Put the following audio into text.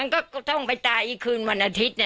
ก็ต้องไปตายอีกคืนวันอาทิตย์